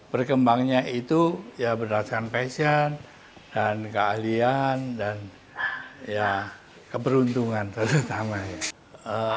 berkembangnya itu ya berdasarkan fashion dan keahlian dan ya keberuntungan terutama ya